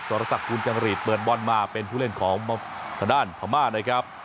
รสักคุณจังหรีดเปิดบอลมาเป็นผู้เล่นของทางด้านพม่านะครับ